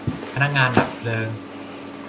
พนักงานดับเพลิง